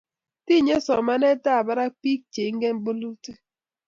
tinyei somanetab barak biik che ingen bolutik